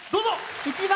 １番